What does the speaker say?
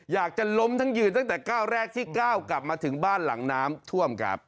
อยากจะล้มทั้งยืนตั้งแต่ก้าวแรกที่ก้าวกลับมาถึงบ้านหลังน้ำท่วมครับ